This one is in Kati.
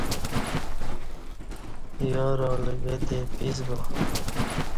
یارالہ گہ تے پیس با